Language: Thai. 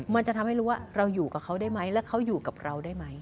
มันจะทำให้รู้ว่าเราอยู่กับเขาได้ไหมแล้วเขาอยู่กับเราได้ไหม